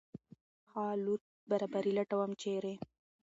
ښه الوت برابري لټوم ، چېرې ؟